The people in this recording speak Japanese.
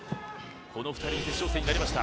子の２人に決勝戦になりました。